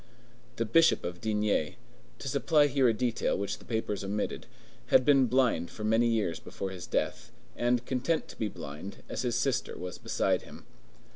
The Bishop of D—— to supply here a detail which the papers omitted—had been blind for many years before his death, and content to be blind, as his sister was beside him.